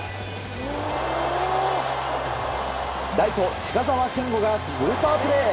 ライト、近沢賢虎がスーパープレー！